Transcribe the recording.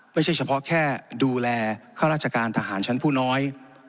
ไม่ใช่เฉพาะแค่ดูแลข้าราชการทหารชั้นผู้น้อย